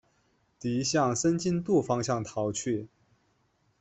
敌向申津渡方向逃去。